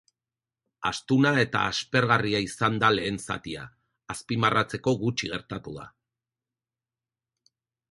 Astuna eta aspergarria izan da lehen zatia, azpimarratzeko gutxi gertatu da.